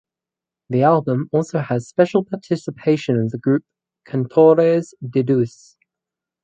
The album also has special participation of the group Cantores de Deus.